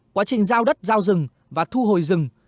quá trình giao đất giao rừng và thu hồi rừng